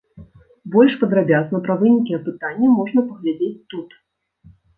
Больш падрабязна пра вынікі апытання можна паглядзець тут.